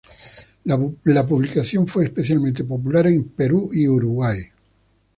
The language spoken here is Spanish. La publicación fue especialmente popular en Perú y Uruguay.